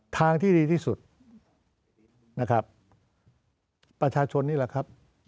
ทางที่ดีที่สุดนะครับประชาชนนี่แหละครับ